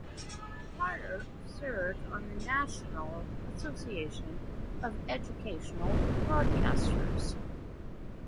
Carter served on the National Association of Educational Broadcasters.